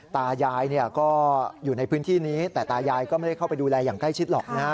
ตายายก็อยู่ในพื้นที่นี้แต่ตายายก็ไม่ได้เข้าไปดูแลอย่างใกล้ชิดหรอกนะ